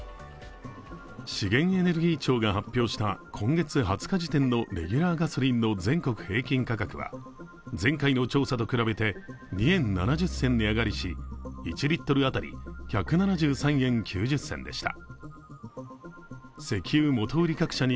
資源エネルギー庁が発表した今月２０日時点のレギュラーガソリンの全国平均価格は前回の調査と比べて２円７０銭値上がりし１リットル当たり１７３円９０銭でした。